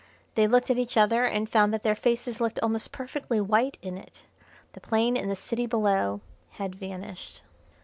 They looked at each other, and found that their faces looked almost perfectly white in it. The plain and the city below had vanished.